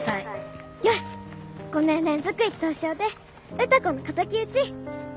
よし５年連続１等賞で歌子の敵討ち！